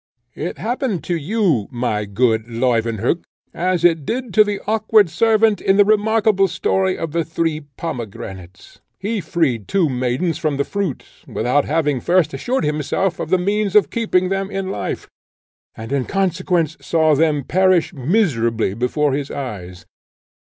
It happened to you, my good Leuwenhock, as it did to the awkward servant in the remarkable story of the Three Pomegranates; he freed two maidens from the fruit, without having first assured himself of the means of keeping them in life, and in consequence saw them perish miserably before his eyes.